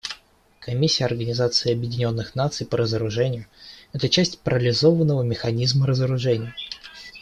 Комиссия Организации Объединенных Наций по разоружению — это часть парализованного механизма разоружения.